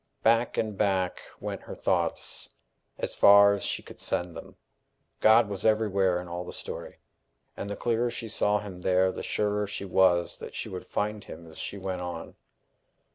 Back and back went her thoughts as far as she could send them. God was everywhere in all the story; and the clearer she saw him there the surer she was that she would find him as she went on.